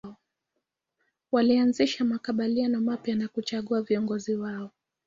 Walianzisha makabila mapya na kuchagua viongozi wao.